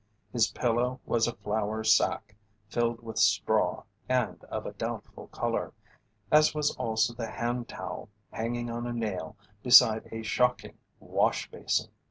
His pillow was a flour sack filled with straw and of a doubtful colour, as was also the hand towel hanging on a nail beside a shocking wash basin.